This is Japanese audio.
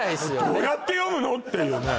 どうやって読むの？っていうね